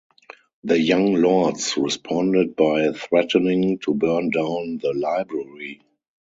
The Young Lords responded by threatening to burn down the library.